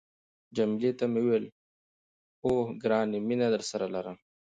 جميله ته مې وویل، اوه، ګرانې مینه درسره لرم.